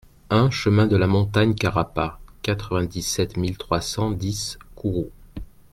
un chemin de la Montagne Carapa, quatre-vingt-dix-sept mille trois cent dix Kourou